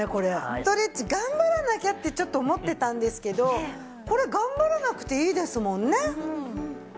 ストレッチ頑張らなきゃってちょっと思ってたんですけどこれ頑張らなくていいですもんね。